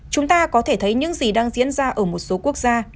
chúng ta có thể thấy những gì đang diễn ra ở một số quốc gia